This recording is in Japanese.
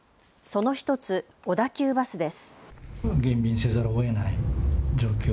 その１つ、小田急バスです。